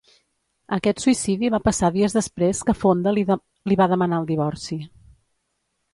Aquest suïcidi va passar dies després que Fonda li va demanar el divorci.